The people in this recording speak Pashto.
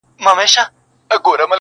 په هر ولایت او سمت کې د نه سړي زامن سته